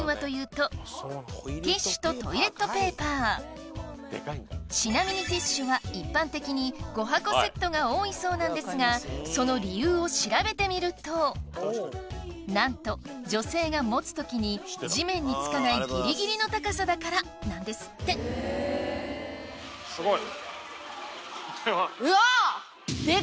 そして一番のちなみにティッシュは一般的に５箱セットが多いそうなんですがその理由を調べてみるとなんと女性が持つ時に地面に着かないギリギリの高さだからなんですってすごいこれは。